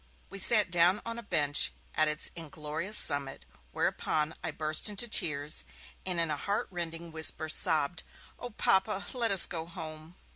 We sat down on a bench at its inglorious summit, whereupon I burst into tears, and in a heart rending whisper sobbed, 'Oh! Papa, let us go home!'